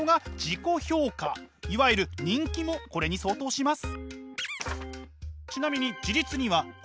いわゆる人気もこれに相当します。